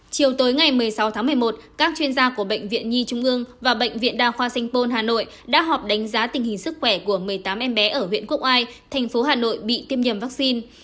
chiều tối ngày một mươi sáu tháng một mươi một các chuyên gia của bệnh viện nhi trung ương và bệnh viện đa khoa sanh pôn hà nội đã họp đánh giá tình hình sức khỏe của một mươi tám em bé ở huyện quốc oai thành phố hà nội bị tiêm nhầm vaccine